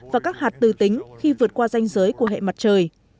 và các hạt tư tính khi vượt qua danh giới của hệ mặt trời